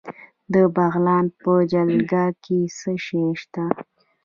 د بغلان په جلګه کې څه شی شته؟